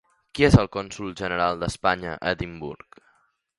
Qui és el consol general d'Espanya a Edimburg?